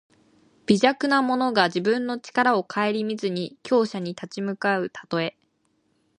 微弱な者が自分の力をかえりみずに強者に立ち向かうたとえ。